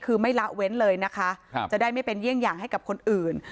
คือไม่ละเว้นเลยนะคะจะได้ไม่เป็นเยี่ยงอย่างให้กับคนอื่น